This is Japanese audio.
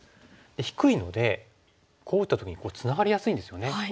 低いのでこう打った時にツナがりやすいんですよね。